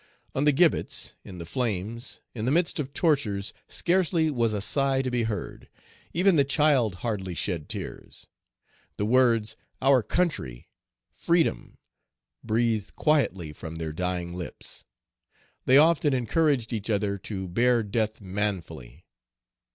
On the gibbets, in the flames, in the midst of tortures, scarcely was a sigh to be heard; even the child hardly shed tears. The words "our country," "freedom," breathed quietly from their dying lips. They often encouraged each other to bear death manfully.